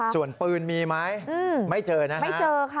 ส่วนปืนมีไหมไม่เจอนะครับ